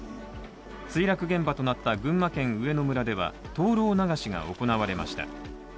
墜落現場となった群馬県上野村では灯籠流しが行われました。